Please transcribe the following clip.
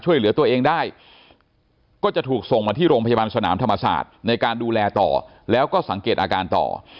ก็ต้องการทดสอบโรงธรรมศาสตร์ในการดูแลต่อแล้วก็สังเกตอาการต่อ